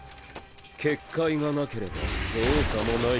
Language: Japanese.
結界がなければ造作もない。